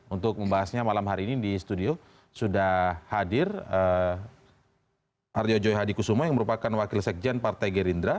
untuk membahasnya malam hari ini di studio sudah hadir arjo joy hadi kusuma yang merupakan wakil sekjen partai gerindra